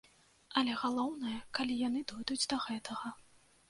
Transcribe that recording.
Але галоўнае, калі яны дойдуць да гэтага.